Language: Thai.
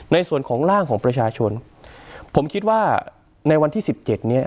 ในส่วนของร่างของประชาชนผมคิดว่าในวันที่๑๗นี้